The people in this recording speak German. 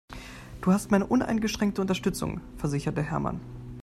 Du hast meine uneingeschränkte Unterstützung, versicherte Hermann.